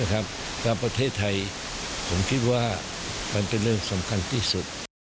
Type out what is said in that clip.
แล้วประเทศไทยผมคิดว่ามันเป็นเรื่องสำคัญที่สุด